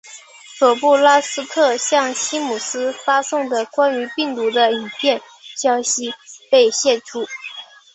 佐布拉斯特向西姆斯发送的关于病毒的影片消息被泄出。